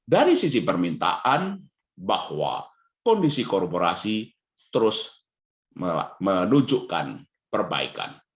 dari sisi permintaan bahwa kondisi korporasi terus menunjukkan perbaikan